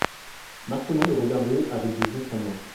Marcelin le regardait avec des yeux tremblants.